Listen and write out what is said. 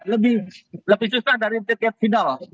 lebih susah dari tiket final